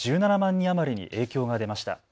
人余りに影響が出ました。